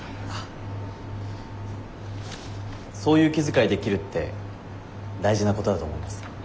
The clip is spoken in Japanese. そういう気遣いできるって大事なことだと思います。